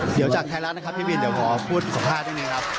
เดี๋ยวจากไทยรัฐนะครับพี่บินเดี๋ยวขอพูดสัมภาษณ์นิดนึงครับ